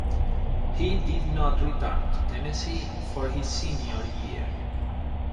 He did not return to Tennessee for his senior year.